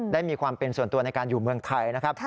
ได้มีความเป็นส่วนตัวในการอยู่เมืองไทยนะครับ